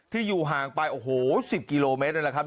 อยู่ห่างไปโอ้โห๑๐กิโลเมตรนั่นแหละครับ